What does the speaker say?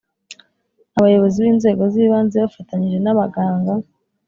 abayobozi b inzego z ibanze bafatanyije n’ abaganga